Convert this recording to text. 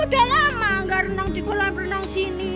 udah lama nggak renang di kolam renang sini